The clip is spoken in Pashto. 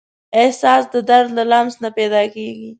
احساس د درد له لمس نه پیدا کېږي.